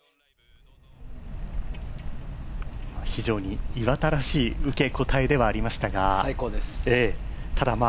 非常に岩田らしい受け答えではありましたが。